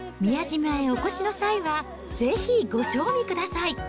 宮島へお越しの際は、ぜひ、ご賞味ください。